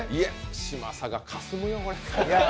嶋佐がかすむよ、これ。